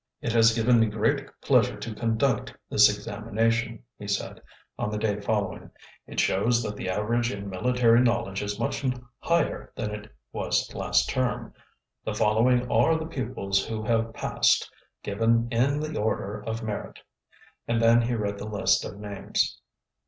"It has given me great pleasure to conduct this examination," he said, on the day following. "It shows that the average in military knowledge is much higher than it was last term. The following are the pupils who have passed, given in the order of merit." And then he read the list of names.